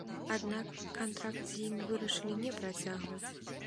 Аднак кантракт з ім вырашылі не працягваць.